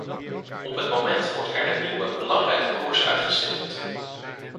Op het moment wordt er een nieuwe, belangrijke koers uitgestippeld.